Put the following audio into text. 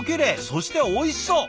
そしておいしそう！